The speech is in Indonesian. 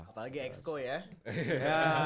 apalagi xco ya